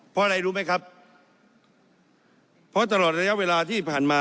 เพราะอะไรรู้ไหมครับเพราะตลอดระยะเวลาที่ผ่านมา